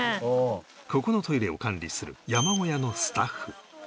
ここのトイレを管理する山小屋のスタッフ